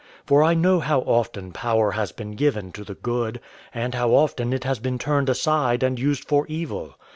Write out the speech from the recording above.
For I know how often power has been given to the good, and how often it has been turned aside and used for evil.